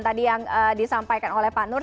tadi yang disampaikan oleh pak nur